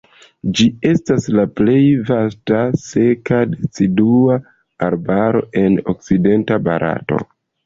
Ĝi estas la plej vasta seka decidua arbaro en okcidenta Barato.